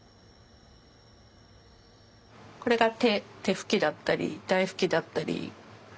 これが手拭きだったり台拭きだったり。